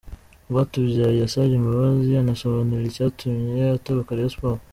Rwatubyaye yasabye imbabazi anasobanura icyatumye atoroka Rayon Sports.